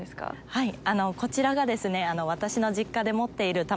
はい。